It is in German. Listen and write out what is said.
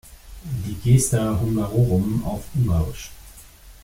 Die Gesta Hungarorum auf Ungarisch